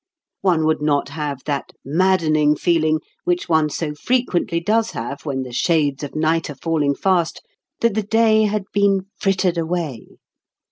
One would not have that maddening feeling, which one so frequently does have when the shades of night are falling fast, that the day had been "frittered away."